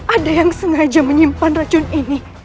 ada yang sengaja menyimpan racun ini